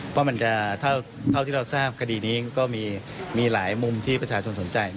เพราะมันจะเท่าที่เราทราบคดีนี้ก็มีหลายมุมที่ประชาชนสนใจ